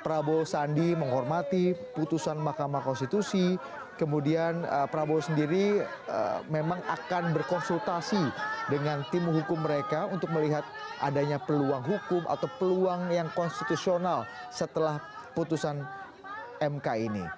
prabowo sandi menghormati putusan mahkamah konstitusi kemudian prabowo sendiri memang akan berkonsultasi dengan tim hukum mereka untuk melihat adanya peluang hukum atau peluang yang konstitusional setelah putusan mk ini